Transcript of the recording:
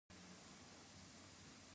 د دال دانه د څه لپاره وکاروم؟